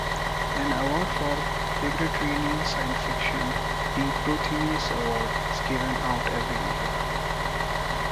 An award for libertarian science fiction, the Prometheus Award, is given out every year.